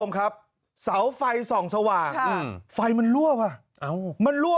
ความครับสาวไฟส่องสว่างค่ะฝันมันรั่ววะเอามันลั่ว